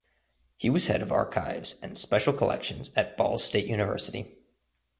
He was head of archives and special collections at Ball State University.